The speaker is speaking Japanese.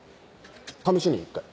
試しに一回。